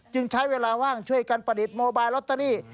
ใช้เวลาว่างช่วยกันประดิษฐ์โมบายลอตเตอรี่